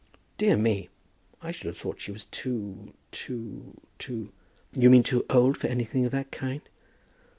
"Dear me! I should have thought she was too too too " "You mean too old for anything of that kind.